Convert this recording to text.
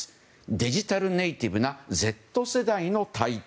デジタルネイティブなＺ世代の台頭。